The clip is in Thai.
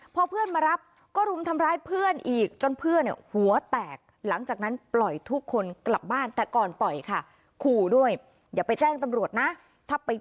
พอเพื่อนมารับก็รุมทำลายเพื่อนอีกจนเพื่อนเนี่ยหัวแตก